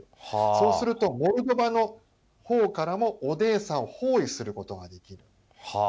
そうするとモルドバのほうからもオデーサを包囲することができる。